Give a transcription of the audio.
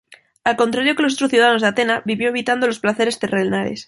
Al contrario que los otros ciudadanos de Atenas, vivió evitando los placeres terrenales.